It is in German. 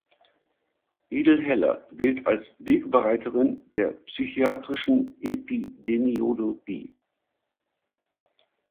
Riedel Heller gilt als Wegbereiterin der psychiatrischen Epidemiologie.